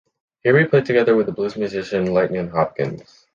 Here he played together with the blues musician Lightnin' Hopkins.